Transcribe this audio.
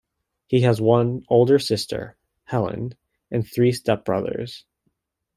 He has one older sister, Helen, and three stepbrothers.